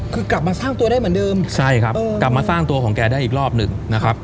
คือกลับมาสร้างตัวได้เหมือนเดิมใช่ครับกลับมาสร้างตัวของแกได้อีกรอบหนึ่งนะครับ